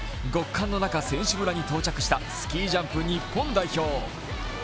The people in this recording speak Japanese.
極寒の中、選手村に到着したスキージャンプ日本代表。